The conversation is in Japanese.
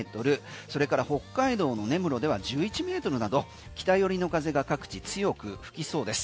それから北海道の根室では１１ｍなど北寄りの風が各地強く吹きそうです。